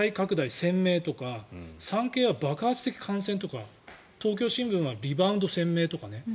鮮明とか産経は爆発的感染とか東京新聞はリバウンド船名とか。